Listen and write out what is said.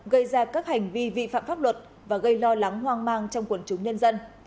gây ra các hành vi vi phạm pháp luật và gây lo lắng hoang mang trong quần chúng nhân dân